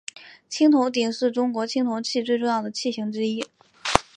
青铜鼎是中国青铜器最重要的器形之一。